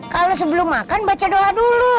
kalau sebelum makan baca doa dulu